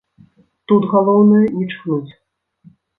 Тут галоўнае не чхнуць.